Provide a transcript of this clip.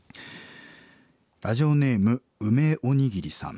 ラジオネーム梅おにぎりさん。